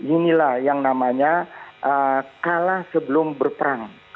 inilah yang namanya kalah sebelum berperang